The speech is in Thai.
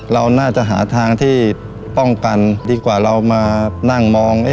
เราน่าจะหาทางที่ป้องกันดีกว่าเรามานั่งมอง